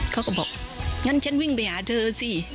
เขาก็บอกงั้นฉันวิ่งไปหาเธอสิ